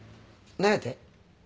「何やて」